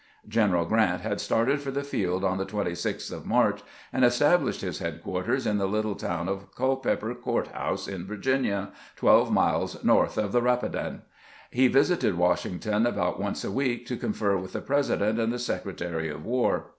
G eneral Grant had started for the field on the 26th of March, and established his headquarters in the little town of Culpeper Court house in Virginia, twelve mUes north of the Eapidan. He visited Washington about once a week to confer with the President and the Sec retary of War.